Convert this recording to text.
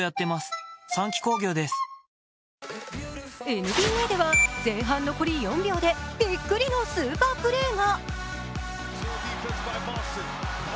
ＮＢＡでは前半残り４秒でびっくりのスーパープレーが。